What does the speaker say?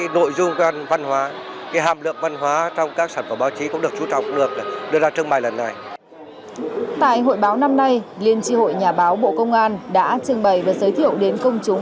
tại hội báo năm nay liên tri hội nhà báo bộ công an đã trưng bày và giới thiệu đến công chúng